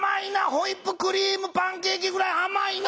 ホイップクリームパンケーキぐらいあまいな。